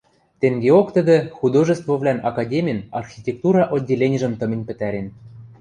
Тенгеок тӹдӹ Художествовлӓн академин архитектура отделенижӹм тымень пӹтӓрен.